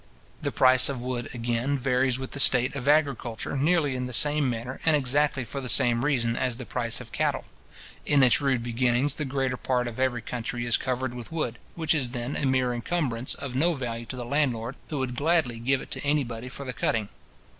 The price of wood, again, varies with the state of agriculture, nearly in the same manner, and exactly for the same reason, as the price of cattle. In its rude beginnings, the greater part of every country is covered with wood, which is then a mere incumbrance, of no value to the landlord, who would gladly give it to any body for the cutting.